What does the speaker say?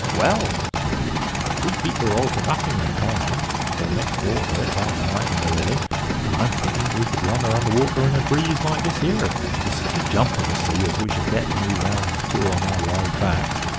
"Well," said he, "we beat her all to nothing in a calm, or next door to it, last night in the Lily, and I'm thinking we could run her under water in a breeze like this here, with such a jump of a sea as we shall get when we rounds to on our road back.